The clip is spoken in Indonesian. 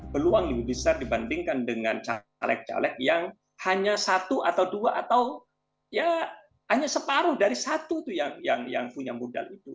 peluang lebih besar dibandingkan dengan caleg caleg yang hanya satu atau dua atau ya hanya separuh dari satu tuh yang punya modal itu